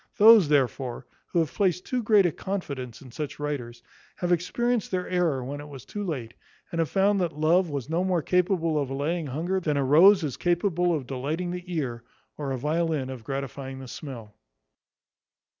Those, therefore, who have placed too great a confidence in such writers, have experienced their error when it was too late; and have found that love was no more capable of allaying hunger, than a rose is capable of delighting the ear, or a violin of gratifying the smell.